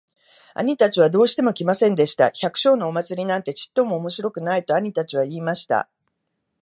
兄たちはどうしても来ませんでした。「百姓のお祭なんてちっとも面白くない。」と兄たちは言いました。